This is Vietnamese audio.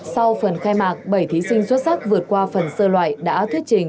sau phần khai mạc bảy thí sinh xuất sắc vượt qua phần sơ loại đã thuyết trình